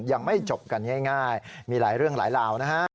ยังไม่จบกันง่ายมีหลายเรื่องหลายราวนะฮะ